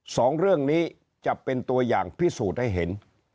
สองเรื่องนี้จะเป็นตัวอย่างพิสูจน์ให้เห็น